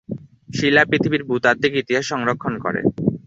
শিলা পৃথিবীর ভূতাত্ত্বিক ইতিহাস সংরক্ষণ করে।